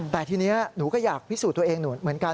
แต่ทีนี้หนูก็อยากพิสูจน์ตัวเองหนูเหมือนกัน